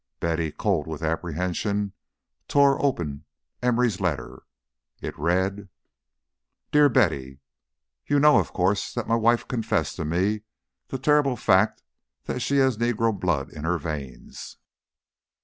Betty, cold with apprehension, tore open Emory's letter. It read: Dear Betty, You know, of course, that my wife confessed to me the terrible fact that she has negro blood in her veins.